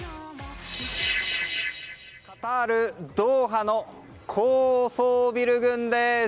カタール・ドーハの高層ビル群です。